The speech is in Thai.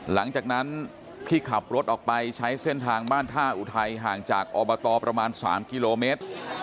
หลังจากนั้นที่ขับรถออกไปใช้เส้นทางบ้านท่าอุทัยห่างจากอบตประมาณ๓กิโลเมตร